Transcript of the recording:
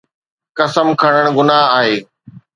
قسم کڻڻ گناهه آهي.